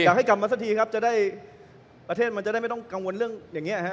อยากให้กลับมาสักทีครับจะได้ประเทศมันจะได้ไม่ต้องกังวลเรื่องอย่างนี้ฮะ